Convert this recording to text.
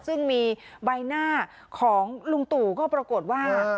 ซึ่งมีใบหน้าของลุงตู่ก็ปรากฏว่า